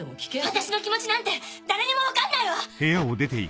私の気持ちなんて誰にも分かんないわ‼